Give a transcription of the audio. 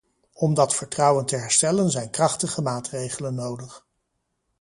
Om dat vertrouwen te herstellen zijn krachtige maatregelen nodig.